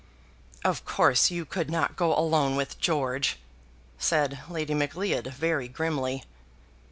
"Of course you could not go alone with George," said Lady Macleod, very grimly.